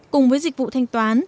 cùng với dịch vụ thanh toán